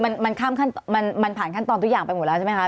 นี่คือมันผ่านขั้นตอนตัวอย่างไปหมดแล้วใช่ไหมครับ